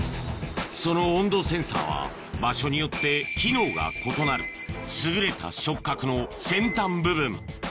その温度センサーは場所によって機能が異なる優れた触角の先端部分